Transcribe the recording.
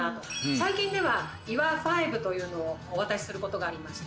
最近ではＩＷＡ５というのをお渡しすることがありまして。